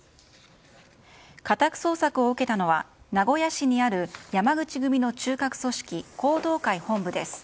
家宅捜索を受けたのは名古屋市にある山口組の中核組織弘道会本部です。